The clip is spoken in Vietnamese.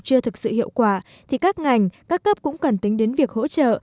chưa thực sự hiệu quả thì các ngành các cấp cũng cần tính đến việc hỗ trợ